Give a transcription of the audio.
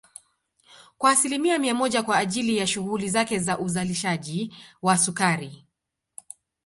kwa asilimia mia moja kwa ajili ya shughuli zake za uzalishaji wa sukari